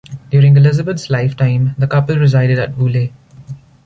During Elizabeth's lifetime the couple resided at Woolleigh.